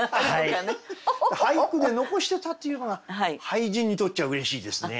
俳句で残してたっていうのが俳人にとっちゃうれしいですね。